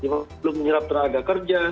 belum menyerap tenaga kerja